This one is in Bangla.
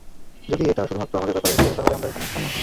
যদি এটা শুধুমাত্র আমাদের ব্যাপারে হতো, তাহলে আমরা এখানে আসতাম না।